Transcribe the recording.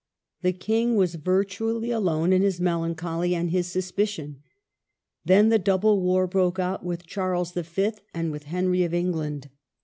The King was virtu ally alone in his melancholy and his suspicion. Then the double war broke out with Charles V. and with Henry of England.